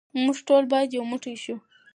موږ ټول باید یو موټی شو.